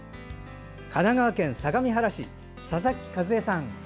神奈川県相模原市佐々木一枝さん。